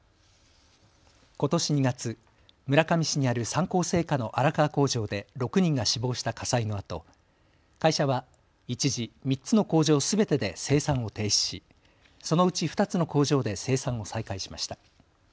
ことし２月、村上市にある三幸製菓の荒川工場で６人が死亡した火災のあと会社は一時、３つの工場すべてで生産を停止しそのうち２つの工場で生産を再開しました。